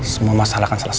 semua masalah akan selesai